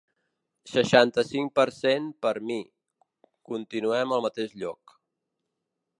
Seixanta-cinc per cent Per mi, continuem al mateix lloc.